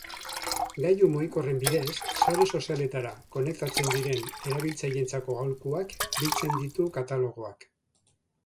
Gailu mugikorren bidez sare sozialetara konektatzen diren erabiltzaileentzako aholkuak biltzen ditu katalogoak.